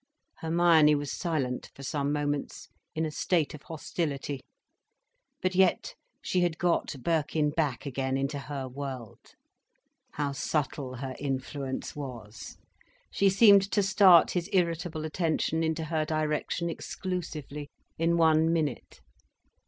Hermione was silent for some moments, in a state of hostility. But yet, she had got Birkin back again into her world! How subtle her influence was, she seemed to start his irritable attention into her direction exclusively, in one minute.